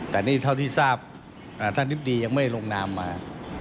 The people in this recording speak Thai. แต่นี่เท่าที่ทราบท่านนิดดียังไม่ลงนามมา